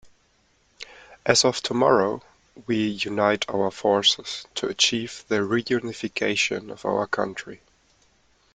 As of tomorrow, we unite our forces...to achieve the reunification of our country.